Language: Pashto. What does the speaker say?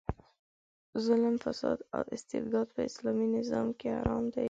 ظلم، فساد او استبداد په اسلامي نظام کې حرام دي.